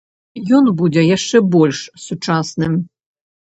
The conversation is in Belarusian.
Ён будзе яшчэ больш сучасным.